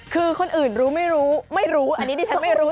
คือคนอื่นรู้ไม่รู้ไม่รู้อันนี้ดิฉันไม่รู้